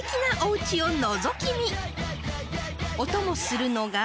［お供するのが］